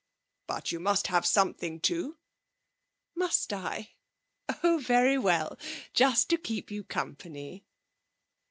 'But you must have something too.' 'Must I? Oh, very well, just to keep you company.'